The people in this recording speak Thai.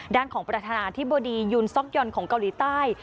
ด้านของประธานาธิบดียูนซ็อกยอนของเกาหลีใต้